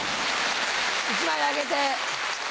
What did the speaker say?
１枚あげて。